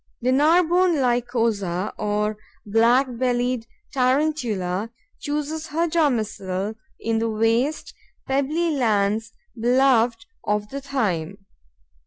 The Narbonne Lycosa, or Black bellied Tarantula, chooses her domicile in the waste, pebbly lands beloved of the thyme.